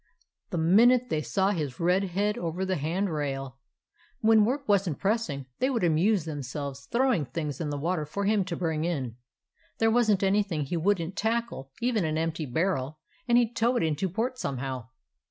the minute they saw his red head over the hand rail. When work was n't pressing, they would amuse themselves throwing things into the water for him to bring in. There was n't anything he wouldn't tackle, even an empty barrel, and he 'd tow it into port somehow.